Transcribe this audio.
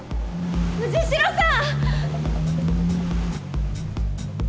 藤代さん！